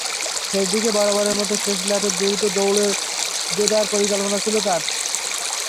শেষ দিকে বরাবরের মতো শেষ ল্যাপে দ্রুত দৌড়েই জেতার পরিকল্পনা ছিল তাঁর।